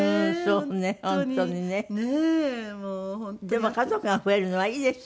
でも家族が増えるのはいいですよね。